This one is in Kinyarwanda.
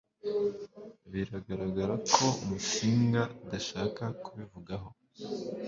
Biragaragara ko Musinga adashaka kubivugaho